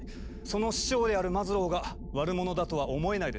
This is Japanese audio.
その師匠であるマズローが悪者だとは思えないですしね。